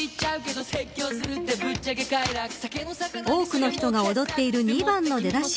多くの人が踊っている２番の出だし。